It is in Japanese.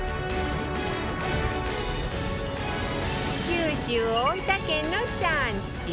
九州大分県の山中